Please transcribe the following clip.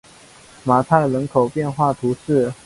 马泰人口变化图示